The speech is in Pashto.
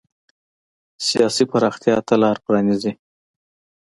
سیاسي پراختیا ته لار پرانېزي.